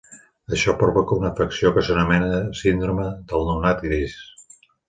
Això provoca una afecció que s'anomena síndrome del nounat gris.